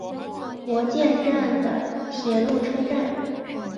国见站的铁路车站。